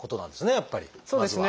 やっぱりまずは。